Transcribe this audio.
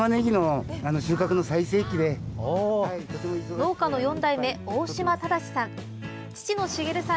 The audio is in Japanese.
農家の４代目、大島正さん。